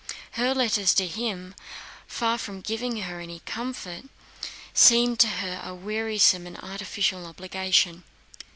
Her letters to him, far from giving her any comfort, seemed to her a wearisome and artificial obligation.